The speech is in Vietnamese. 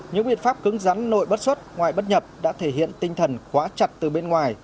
những biện pháp cứng rắn nội bất xuất ngoài bất nhập đã thể hiện tinh thần quá chặt từ bên ngoài